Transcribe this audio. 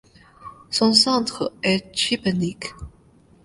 Son centre est Šibenik.